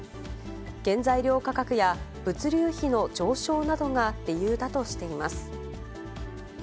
原材料価格や物流費の上昇などが理由だとしています。